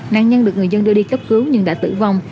nạn nhân được người dân đưa đi cấp cứu nhưng đã tử vong